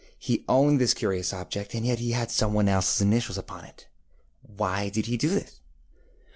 He owned this curious object, and yet he had some one elseŌĆÖs initials upon it. Why did he do this?